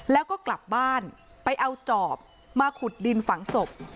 แล้วก็กลับบ้านไปเอาจอบมาขุดดินฝังศพ